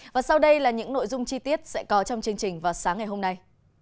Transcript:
và sau đây là những nội dung chi tiết sẽ có trong chương trình vào sáng ngày hôm nay